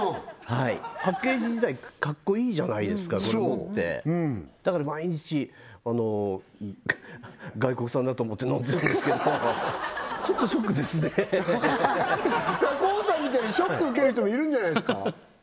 はいパッケージ自体かっこいいじゃないですかこれ持ってそううんだから毎日外国産だと思って飲んでたんですけどちょっとショックですねだからＫＯＯさんみたいにショック受ける人もいるんじゃないですか？